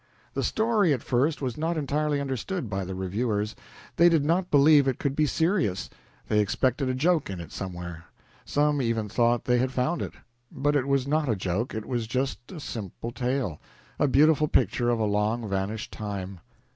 The story, at first, was not entirely understood by the reviewers. They did not believe it could be serious. They expected a joke in it somewhere. Some even thought they had found it. But it was not a joke, it was just a simple tale a beautiful picture of a long vanished time.